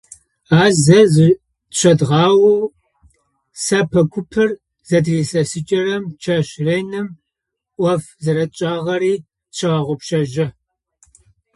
Ащ зэ зычӏэдгъаоу, сэпэ купыр зытырилъэсыкӏырэм, чэщ реным ӏоф зэрэтшӏагъэри тщегъэгъупшэжьы.